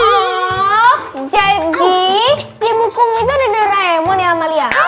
oh jadi di buku itu ada doraemon ya amalia